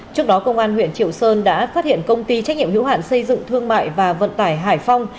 trước đó công an huyện triệu sơn đã phát hiện công ty trách nhiệm hữu hạn xây dựng thương mại và vận tải hải phong